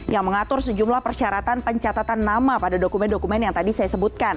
yang mengatur sejumlah persyaratan pencatatan nama pada dokumen dokumen yang tadi saya sebutkan